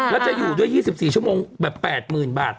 แล้วจะอยู่ด้วย๒๔ชั่วโมงแบบ๘๐๐๐บาท